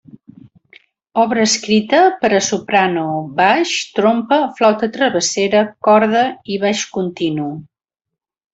Obra escrita per a soprano, baix, trompa, flauta travessera, corda i baix continu.